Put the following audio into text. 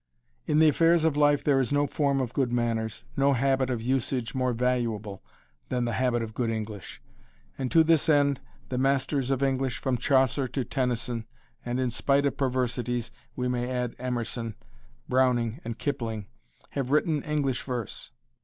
In the affairs of life there is no form of good manners, no habit of usage more valuable than the habit of good English. And to this end the masters of English, from Chaucer to Tennyson, and in spite of perversities, we may add Emerson, Browning, and Kipling, have written English verse.